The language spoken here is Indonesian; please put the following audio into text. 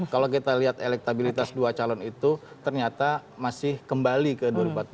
kalau kita lihat elektabilitas dua calon itu ternyata masih kembali ke dua ribu empat belas